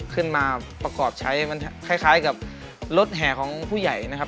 ขึ้นมาประกอบใช้มันคล้ายกับรถแห่ของผู้ใหญ่นะครับ